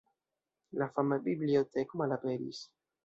La fama biblioteko malaperis.